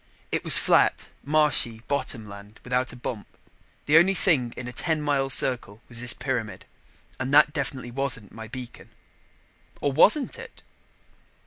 It was flat, marshy bottom land without a bump. The only thing in a ten mile circle was this pyramid and that definitely wasn't my beacon. Or wasn't it?